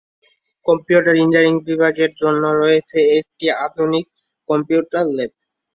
Computer engineering বিভাগের জন্য রয়েছে একটি আধুনিক কম্পিউটার ল্যাব।